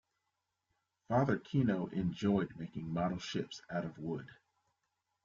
Father Kino enjoyed making model ships out of wood.